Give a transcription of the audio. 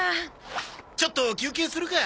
ちょっと休憩するか。